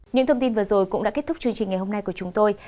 những thông tin vừa rồi cũng đã kết thúc chương trình ngày hôm nay của chúng tôi